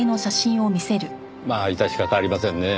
まあ致し方ありませんねぇ。